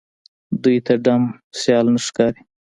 دوی ته ډم سيال نه ښکاري